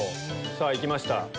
さぁ行きました。